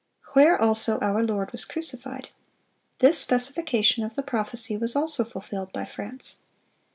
"(395) "Where also our Lord was crucified." This specification of the prophecy was also fulfilled by France.